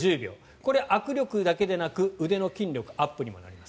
これ、握力だけでなく腕の筋力アップにもなります。